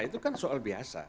itu kan soal biasa